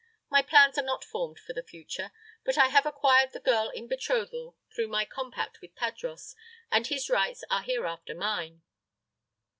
My plans are not formed for the future. But I have acquired the girl in betrothal through my compact with Tadros, and his rights are hereafter mine."